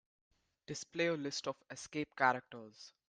Display a list of escape characters.